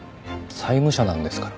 債務者なんですから。